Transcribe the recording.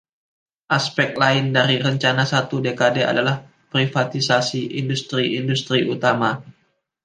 Aspek lain dari rencana satu dekade adalah privatisasi industri-industri utama.